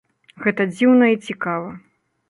Гэта дзіўна і цікава.